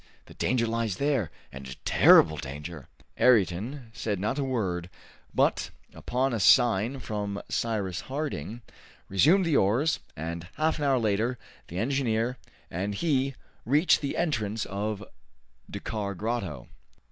The danger lies there, and a terrible danger!" Ayrton said not a word, but, upon a sign from Cyrus Harding, resumed the oars, and half an hour later the engineer and he reached the entrance of Dakkar Grotto.